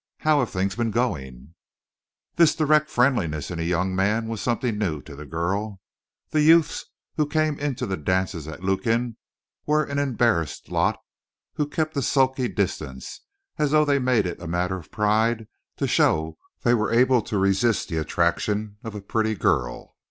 How have things been going?" This direct friendliness in a young man was something new to the girl. The youths who came in to the dances at Lukin were an embarrassed lot who kept a sulky distance, as though they made it a matter of pride to show they were able to resist the attraction of a pretty girl.